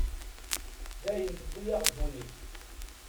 D ayen tewwi-yaɣ ddunit.